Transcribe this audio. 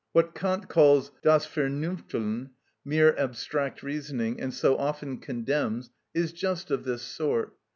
What Kant calls das Vernünfteln, mere abstract reasoning, and so often condemns, is just of this sort.